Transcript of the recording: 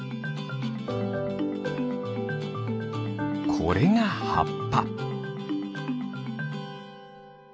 これがはっぱ。